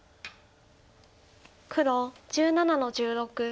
黒１７の十六ツケ。